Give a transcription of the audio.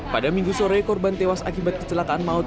pada minggu sore korban tewas akibat kecelakaan maut